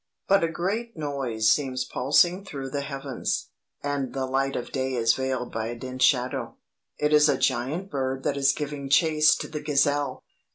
But a great noise seems pulsing through the heavens, and the light of day is veiled by a dense shadow. It is a giant bird that is giving chase to the gazelle.